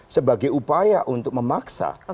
sebagai upaya untuk memaksa